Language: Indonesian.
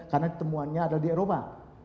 karena temuannya ada di eropa